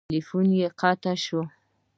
تیلفون یې قطع شو.